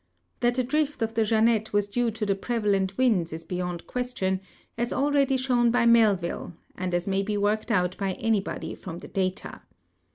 That the drift of the Jeannette was due to the i)revalent winds is be yond question, as already shown by Melville, and as may be worked out by anybody from the data.